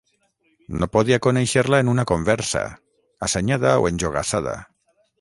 No podia conèixer-la en una conversa, assenyada o enjogassada.